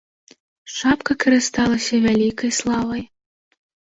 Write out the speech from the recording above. Шапка карысталася вялікай славай.